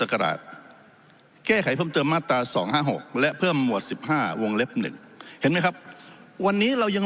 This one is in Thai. คุยกันอยู่ในเช้าเนี่ย